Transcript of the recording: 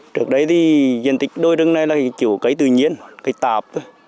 trước đây thì diện tích đôi đường này là kiểu cây tư nhiên cây tạp